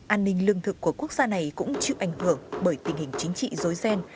an ninh lương thực của quốc gia này cũng chịu ảnh hưởng bởi tình hình chính trị dối ghen